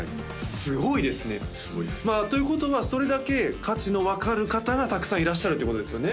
すごいですということはそれだけ価値の分かる方がたくさんいらっしゃるっていうことですよね？